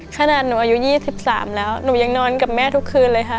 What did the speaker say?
ขนาดหนูอายุ๒๓แล้วหนูยังนอนกับแม่ทุกคืนเลยค่ะ